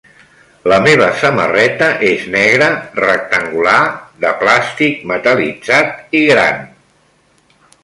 La meva samarreta és negra, rectangular, de plàstic metal·litzat i gran.